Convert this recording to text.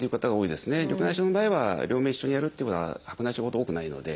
緑内障の場合は両目一緒にやるっていうことは白内障ほど多くないので。